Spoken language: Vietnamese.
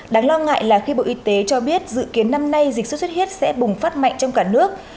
đáng lo ngại là khi bộ y tế cho biết dự kiến năm nay dịch xuất xuất huyết sẽ bùng phát mạnh trong cả nước